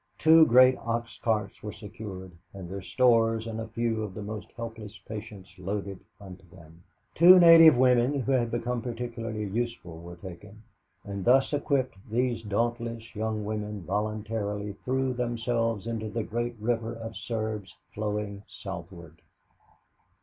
Two great ox carts were secured, and their stores and a few of the most helpless patients loaded into them. Two native women who had become particularly useful were taken, and thus equipped these dauntless young women voluntarily threw themselves into the great river of Serbs flowing southward.